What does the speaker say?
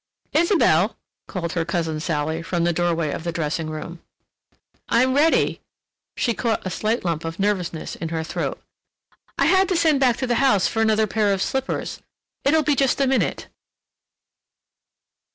"Isabelle!" called her cousin Sally from the doorway of the dressing room. "I'm ready." She caught a slight lump of nervousness in her throat. "I had to send back to the house for another pair of slippers. It'll be just a minute."